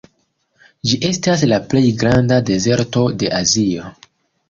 Ĝi estas la plej granda dezerto de Azio.